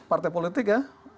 partai politik ya